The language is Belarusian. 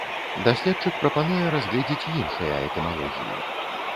Даследчык прапануе разгледзець іншыя этымалогіі.